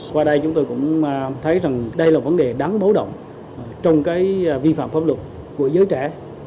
qua đây chúng tôi cũng thấy rằng đây là vấn đề đáng báo động trong cái vi phạm pháp luật của giới trẻ